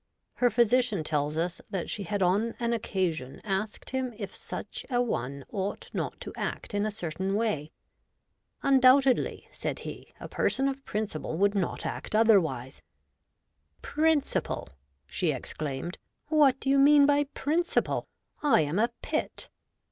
Her physician tells us that she had on an occasion asked him if such an one ought not to act in a certain way. ' Undoubtedly,' said he ; 'a person of principle would not act otherwise.' ' Princiole !' she exclaimed. 96 REVOLTED WOMAN. 'What do you mean by principle? I am a Pitt!'